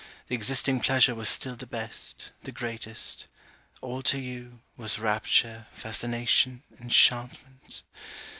The existing pleasure was still the best, the greatest. All to you, was rapture, fascination, enchantment.